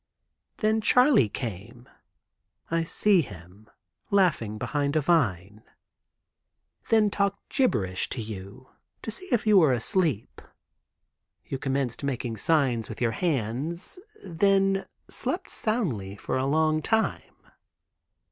"Then Charley came." (I see him, laughing behind a vine); "then talked gibberish to you, to see if you were asleep. You commenced making signs with your hands. Then slept soundly for a long time.